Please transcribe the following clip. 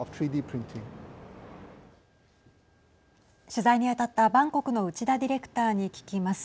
取材に当たったバンコクの内田ディレクターに聞きます。